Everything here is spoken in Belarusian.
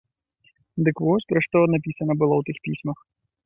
Дык вось пра што напісана было ў тых пісьмах.